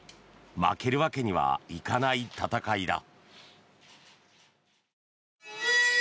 負けるわけにはいかない戦いだ。